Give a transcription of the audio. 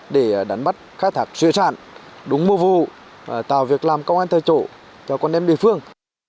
để đánh bắt khai thạc xuyên sản đúng mô vụ tạo việc làm công an thời chỗ cho con đêm địa phương